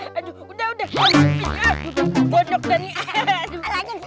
pokoknya udah gak bergerak tuh